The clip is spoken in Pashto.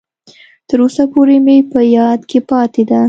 تر اوسه پورې مې په یاد کې پاتې ده.